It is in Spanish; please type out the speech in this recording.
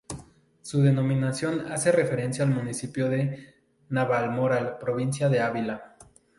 Su denominación hace referencia al municipio de Navalmoral, provincia de Ávila.